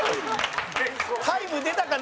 タイム出たかな？